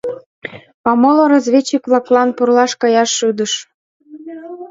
А моло разведчик-влаклан пурлаш каяш шӱдыш.